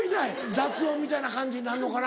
雑音みたいな感じになるのかな。